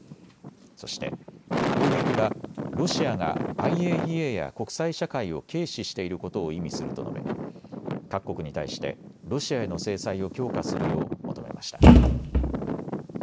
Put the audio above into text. そして砲撃はロシアがＩＡＥＡや国際社会を軽視していることを意味すると述べ各国に対してロシアへの制裁を強化するよう求めました。